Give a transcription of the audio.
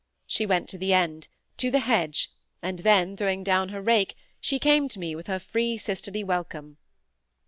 She went to the end—to the hedge, and then, throwing down her rake, she came to me with her free sisterly welcome.